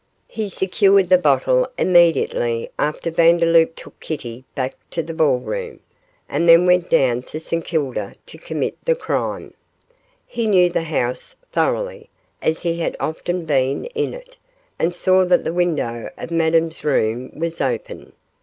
He secured the bottle immediately after Vandeloup took Kitty back to the ball room, and then went down to St Kilda to commit the crime. He knew the house thoroughly as he had often been in it, and saw that the window of Madame's room was open.